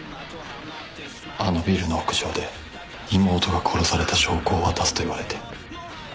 あのビルの屋上で妹が殺された証拠を渡すと言われて。